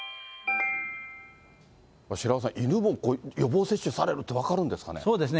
白輪さん、犬も予防接種されるって、そうですね。